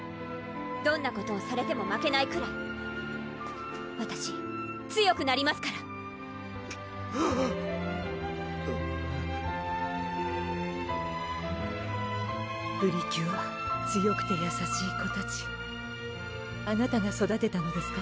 どんなことをされても負けないくらいわたし強くなりますからクップリキュア強くて優しい子たちあなたが育てたのですか？